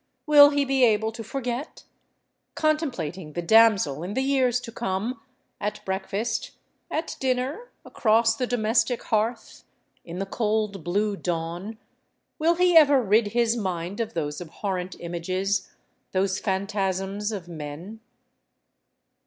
Will he be able to forget? Contemplating the damsel in the years to come, at breakfast, at dinner, across the domestic hearth, in the cold, blue dawn, will he ever rid his mind of those abhorrent images, those phantasms of men?